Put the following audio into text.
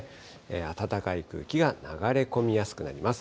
暖かい空気が流れ込みやすくなります。